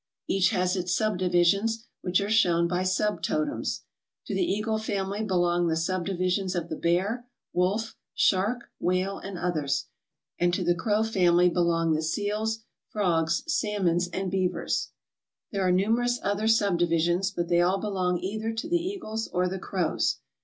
Each has its subdivisions, which are shown by subtotems. To the Eagle family belong the subdivisions of the Bear, Wolf, Shark, Whale, and others; and to the Crow family belong the Seals, Frogs, Salmons, and Beavers. There are numerous other subdivisions, but they all belong either to the Eagles or the Crows.